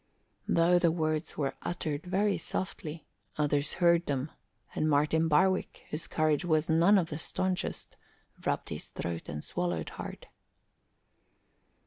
Though the words were uttered very softly, others heard them, and Martin Barwick, whose courage was none of the staunchest, rubbed his throat and swallowed hard.